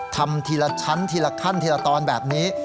ทำทีละชั้นทีละขั้นทีละตอนแบบนี้